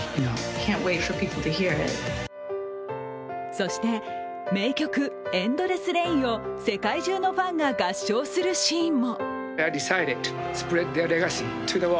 そして名曲「ＥＮＤＬＥＳＳＲＡＩＮ」を世界中のファンが合唱するシーンも。